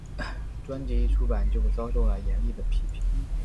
专辑一出版就遭受了严厉的批评。